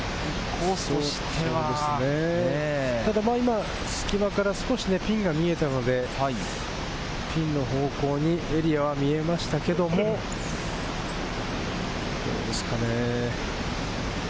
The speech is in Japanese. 今、隙間から少しピンが見えたので、ピンの方向にエリアは見えましたけれども、どうですかね？